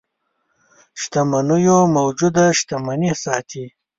شتمنيو موجوده شتمني ساتي.